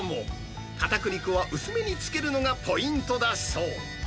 かたくり粉は薄めにつけるのがポイントだそう。